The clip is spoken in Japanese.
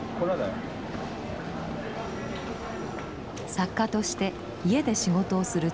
作家として家で仕事をする父。